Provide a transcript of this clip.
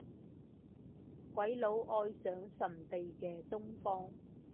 鬼佬愛上神秘嘅東方